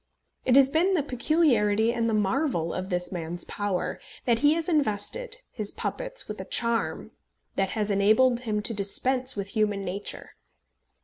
It has been the peculiarity and the marvel of this man's power, that he has invested his puppets with a charm that has enabled him to dispense with human nature.